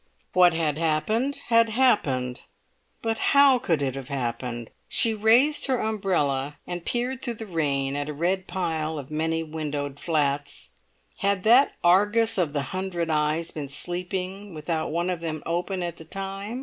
What had happened, had happened; but how could it have happened? She raised her umbrella and peered through the rain at a red pile of many windowed flats; had that Argus of the hundred eyes been sleeping without one of them open at the time?